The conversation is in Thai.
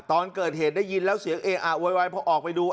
ตอนเกิดเหตุได้ยินแล้วเสียงเออะโวยวายพอออกไปดู